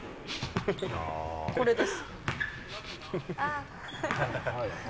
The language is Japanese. これです。